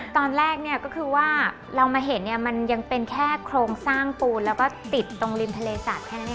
ตอนแรกเนี่ยก็คือว่าเรามาเห็นเนี่ยมันยังเป็นแค่โครงสร้างปูนแล้วก็ติดตรงริมทะเลสาบแค่นั้นเอง